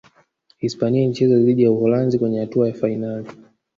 hispania ilicheza dhidi ya Uholanzi kwenye hatua ya fainali